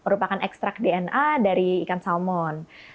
dan ekstrak dna dari ikan salmon